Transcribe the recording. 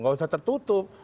gak usah tertutup